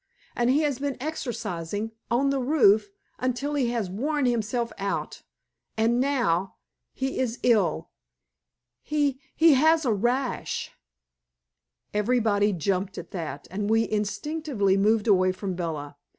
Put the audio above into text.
And he has been exercising on the roof, until he has worn himself out. And now he is ill. He he has a rash." Everybody jumped at that, and we instinctively moved away from Bella.